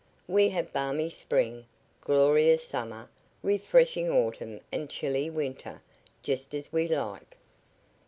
We have balmy spring, glorious summer, refreshing autumn and chilly winter, just as we like."